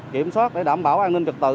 kiểm soát để đảm bảo an ninh trực tự